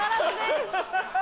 ハハハ！